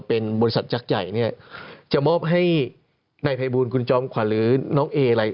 เป็นบริษัทยักษ์ใหญ่เนี่ยจะมอบให้นายภัยบูลคุณจอมขวัญหรือน้องเออะไร